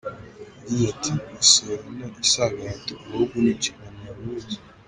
Yagize ati “Gusora si agahato, ahubwo ni inshingano ya buri wese.